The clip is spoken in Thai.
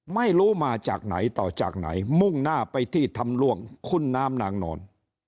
ไม่รู้มาจากไหนต่อจากไหนมุ่งหน้าไปที่ทำล่วงคุณน้ำนางนอน